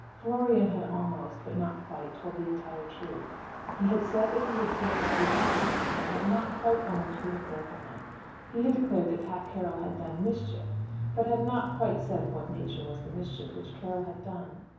Florian had almost, but had not quite, told the entire truth. He had said that he had seen the sluices broken, but had not quite owned who had broken them. He had declared that Pat Carroll had done "mischief," but had not quite said of what nature was the mischief which Carroll had done.